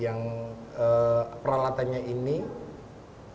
yang peralatannya ini kalau menurut saya pribadi itu sudah dua ratus